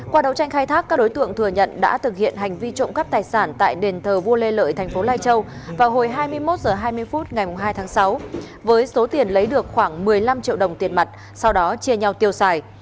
qua đấu tranh khai thác các đối tượng thừa nhận đã thực hiện hành vi trộm cắp tài sản tại đền thờ vua lê lợi thành phố lai châu vào hồi hai mươi một h hai mươi phút ngày hai tháng sáu với số tiền lấy được khoảng một mươi năm triệu đồng tiền mặt sau đó chia nhau tiêu xài